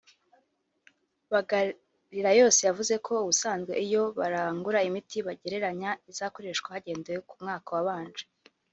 Bagarirayose yavuze ko ubusanzwe iyo barangura imiti bagereranya izakoreshwa hagendewe ku mwaka wabanje